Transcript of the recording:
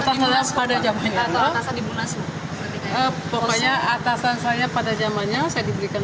saya sudah cita cita semua kepada penyidik